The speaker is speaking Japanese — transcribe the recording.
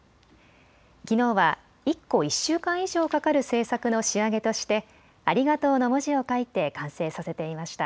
きのうは１個１週間以上かかる制作の仕上げとしてありがとうの文字を書いて完成させていました。